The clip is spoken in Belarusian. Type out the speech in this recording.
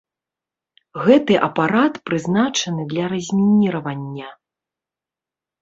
Гэты апарат прызначаны для размініравання.